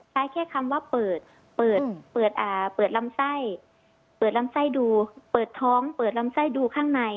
ใช้แค่คำว่าเปิดเปิดลำไส้เปิดลำไส้ดูเปิดท้องเปิดลำไส้ดูข้างใน